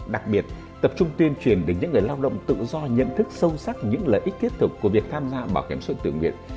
đặc biệt tập trung tuyên truyền đến những người lao động tự do nhận thức sâu sắc những lợi ích kết thục của việc tham gia bảo hiểm sối tự nguyện